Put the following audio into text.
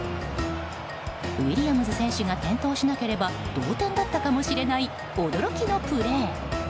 ウィリアムズ選手が転倒しなければ同点だったかもしれない驚きのプレー。